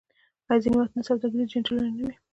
آیا ځینې وختونه سوداګریز جنجالونه نه وي؟